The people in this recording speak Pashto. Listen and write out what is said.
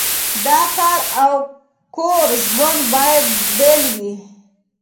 د کار او کور ژوند باید بیل وي.